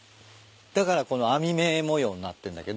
だからこの網目模様になってんだけど。